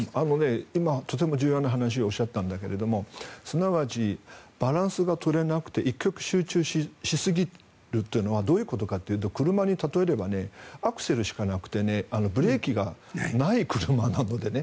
今、とても重要な話をおっしゃったんだけどもすなわちバランスが取れなくて一極集中しすぎるというのはどういうことかというと車に例えればアクセルしかなくてブレーキがない車なのでね。